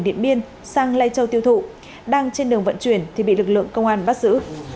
đường vận chuyển thì bị lực lượng công an bắt giữ